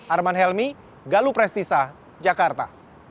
arman helmi galup restisa jakarta